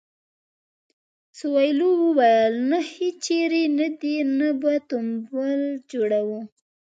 سویلو وویل نه هیچېرې نه دې نه به تمبل جوړوو.